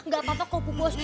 gak apa apa kok bu bos